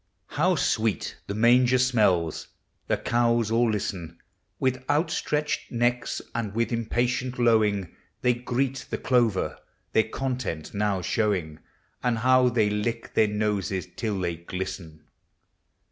How sweet the manger smells! The cows all listen With outstretched necks, and with impatient lowing; They greet the clover, their content now show ing— And how they lick their noses till they glisten